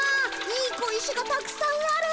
いい小石がたくさんある！